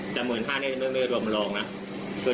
คือดังวัน๑๕เติมเกิด๑๕คือ๑๕คือ